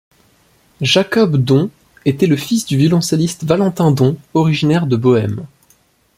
Jakob Dont était le fils du violoncelliste Valentin Dont, originaire de Bohème.